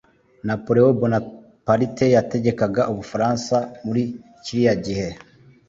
Napoleon Bonaparte yategekaga Ubufaransa muri kiriya gihe.